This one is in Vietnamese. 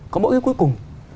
có mỗi cái cuối cùng